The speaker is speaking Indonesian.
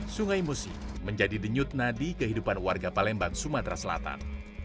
sungai musi menjadi denyut nadi kehidupan warga palembang sumatera selatan